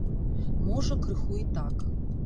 Можа крыху і так.